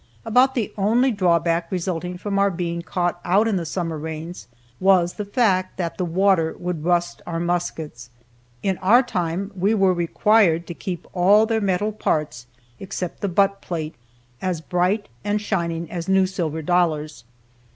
About the only drawback resulting from our being caught out in the summer rains was the fact that the water would rust our muskets. In our time we were required to keep all their metal parts (except the butt plate) as bright and shining as new silver dollars.